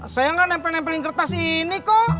saya nggak nempel nempelin kertas ini kok